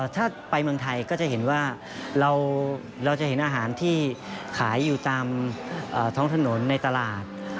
ถ้าไปเมืองไทยก็จะเห็นว่าเราจะเห็นอาหารที่ขายอยู่ตามท้องถนนในตลาด